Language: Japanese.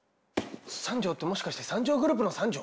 三条ってもしかして三条グループの三条？